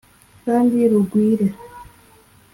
kandi rugwire